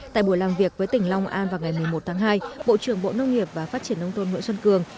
tại buổi làm việc với tỉnh long an vào ngày một mươi một tháng hai bộ trưởng bộ nông nghiệp và phát triển nông tôn nguyễn xuân cường